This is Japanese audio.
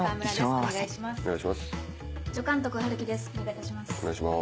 お願いします。